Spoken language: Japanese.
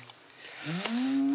うん